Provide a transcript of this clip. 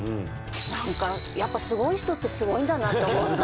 なんかやっぱすごい人ってすごいんだなって思った。